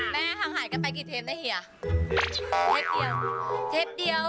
แม่ห่างหายกันไปกี่เทปเนี่ยเหียะ